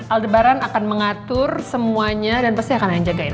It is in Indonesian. aldebaran akan mengatur semuanya dan pasti akan ada yang jagain